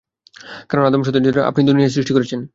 কারণ, আদম সন্তানের জন্য আপনি দুনিয়া সৃষ্টি করেছেন।